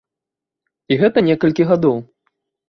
І гэта некалькі гадоў.